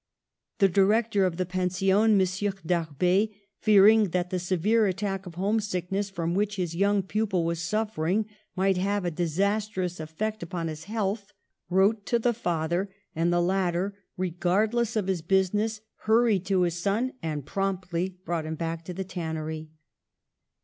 The director of the pension, M. Darbet, fearing that the severe attack of homesick ness from which his young pupil was suf fering might have a disastrous effect upon his health, wrote to the father, and the latter, re gardless of his business, hurried to his son, and promptly brought him back to the tannery.